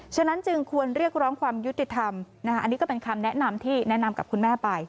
ฉะนั้นจึงควรเรียกร้องความยุติธรรมอันนี้ก็เป็นคำแนะนำที่แนะนำกับคุณแม่ไป